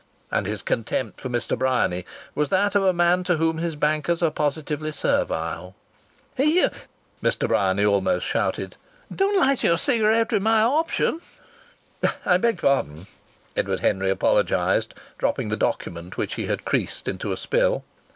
And his contempt for Mr. Bryany was that of a man to whom his bankers are positively servile. "Here!" Mr. Bryany almost shouted. "Don't light your cigarette with my option!" "I beg pardon!" Edward Henry apologized, dropping the document which he had creased into a spill.